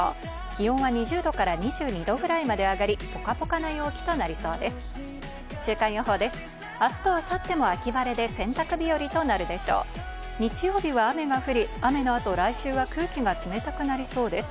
気温は２０度から２２度くらいまで上がり、ポカポカな陽気となりそうです。